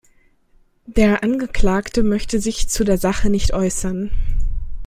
Der Angeklagte möchte sich zu der Sache nicht äußern.